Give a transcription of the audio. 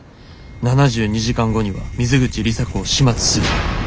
「７２時間後には水口里紗子を始末する」。